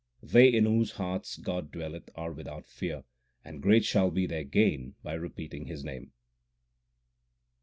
They in whose hearts God dwelleth are without fear, and great shall be their gain by repeating His name.